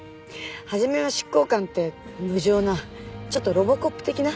初めは執行官って無情なちょっとロボコップ的な？